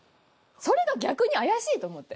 それが逆に怪しいと思って。